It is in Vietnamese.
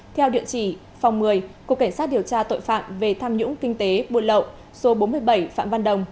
theo địa chỉ phòng một mươi cục cảnh sát điều tra tội phạm về tham nhũng kinh tế buôn lậu số bốn mươi bảy phạm văn đồng